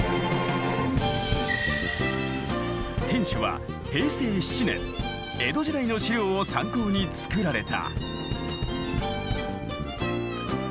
天守は平成７年江戸時代の史料を参考に造られた。